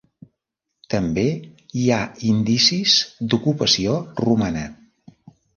També hi ha indicis d'ocupació romana.